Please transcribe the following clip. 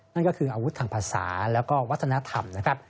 นั่นก็คืออาวุธทางภาษาแล้วก็วัฒนธรรมนะครับ